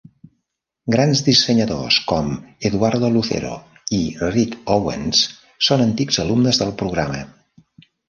Grans dissenyadors com Eduardo Lucero i Rick Owens són antics alumnes del programa.